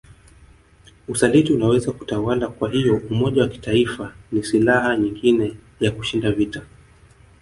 Usaliti unaweza kutawala kwahiyo umoja wa kitaifa ni silaha nyingine ya kushinda vita